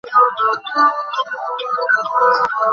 আর কলিকাতায় গিয়েই ছাইভস্ম ভাববি।